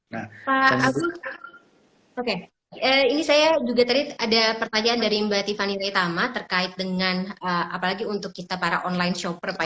pak agus oke ini saya juga tadi ada pertanyaan dari mbak tiffany raitama terkait dengan apalagi untuk kita para online shopper pak